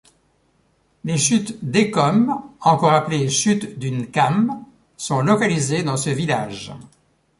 Les chutes d'Ekom encore appelées chutes du Nkam sont localisées dans ce village.